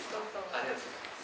ありがとうございます。